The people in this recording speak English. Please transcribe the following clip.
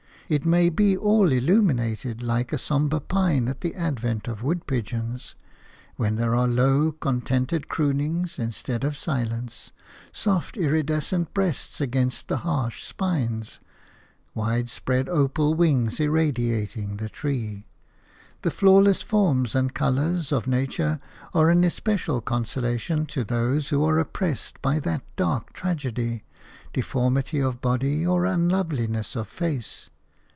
It may be all illumined, like a sombre pine at the advent of wood pigeons – when there are low, contented croonings instead of silence; soft, iridescent breasts against the harsh spines; widespread opal wings irradiating the tree. The flawless forms and colours of nature are an especial consolation to those who are oppressed by that dark tragedy, deformity of body or unloveliness of face.